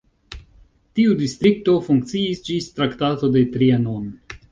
Tiu distrikto funkciis ĝis Traktato de Trianon.